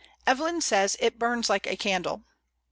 Evelyn says, "It burns like a candle."